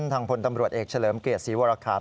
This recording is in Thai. ทางผลตำรวจเอกเฉลิมเกร็จสีวรคาม